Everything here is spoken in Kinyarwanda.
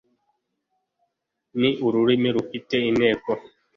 ni ururimi rufite inteko